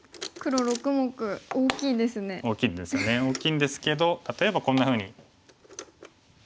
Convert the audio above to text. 大きいんですけど例えばこんなふうに。